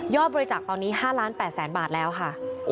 ยอบบริจาคตอนนี้๕ล้าน๘แสนบาทแล้วค่ะ